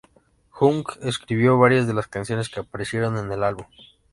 Hugh escribió varias de las canciones que aparecieron en el álbum.